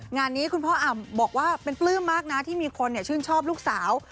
งานนี้คุณพ่ออ่ำบอกว่าเป็นปลื้มมากนะที่มีคนชื่นชอบลูกสาว